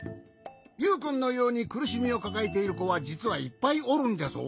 ユウくんのようにくるしみをかかえているこはじつはいっぱいおるんじゃぞ。